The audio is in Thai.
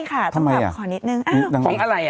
ของอะไร